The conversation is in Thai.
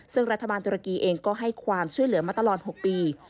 ซึ่งรัฐบาลตุรกีเองก็ให้ความช่วยเหลือมาตลอด๖ปี